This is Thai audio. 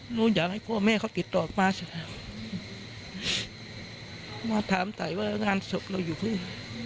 หนูอยากให้พ่อแม่เขาติดต่อมาถามไต่ว่างานศพเราอยู่ที่